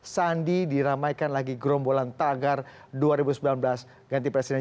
sandi diramaikan lagi gerombolan tagar dua ribu sembilan belas ganti presiden